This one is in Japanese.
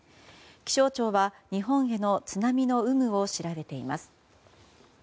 気象庁は日本への津波の有無を調べています。